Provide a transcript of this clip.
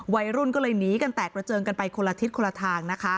วัยรุ่นก็เลยหนีกันแตกระเจิงกันไปคนละทิศคนละทางนะคะ